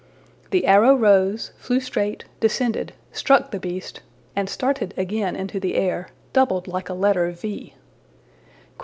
The arrow rose, flew straight, descended, struck the beast, and started again into the air, doubled like a letter V.